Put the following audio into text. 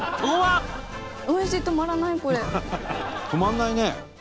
止まんないね。